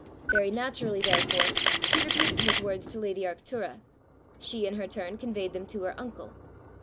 Very naturally therefore she repeated his words to lady Arctura. She in her turn conveyed them to her uncle.